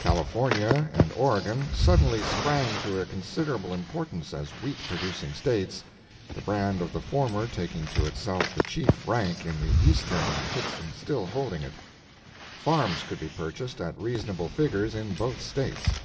California and Oregon suddenly sprang to a considerable importance as wheat producing States—the brand of the former taking to itself the chief rank in the Eastern markets and still holding it. Farms could be purchased at reasonable figures in both States.